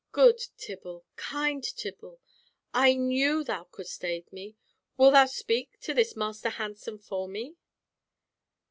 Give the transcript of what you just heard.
"Good Tibble, kind Tibble, I knew thou couldst aid me! Wilt thou speak to this Master Hansen for me?"